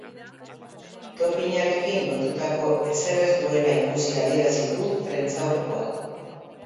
Dopinarekin lotutako ezer ez duela ikusi adierazi du prentsaurrekoan.